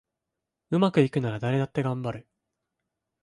うまくいくなら誰だってがんばる